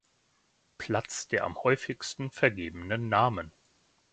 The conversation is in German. Platz der am häufigsten vergebenen Namen.